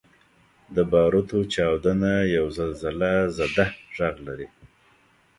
• د باروتو چاودنه یو زلزلهزده ږغ لري.